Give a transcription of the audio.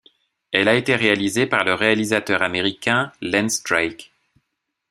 Elle a été réalisée par le réalisateur américain Lance Drake.